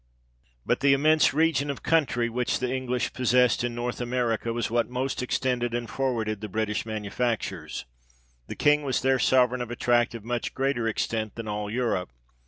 But the immense region of country which the English possessed in North America, was what most extended and forwarded the British manufactures. The Kin^ t> was there sovereign of a tract of much greater extent than all Europe.